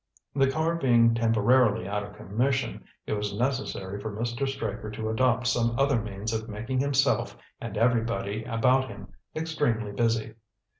The car being temporarily out of commission, it was necessary for Mr. Straker to adopt some other means of making himself and everybody about him extremely busy.